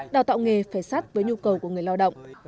đào tạo nghề phải sát với nhu cầu của người lao động